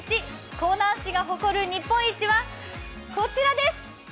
香南市が誇る日本一はこちらです。